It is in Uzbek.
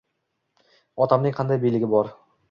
–Otamning qanday biyligi bor?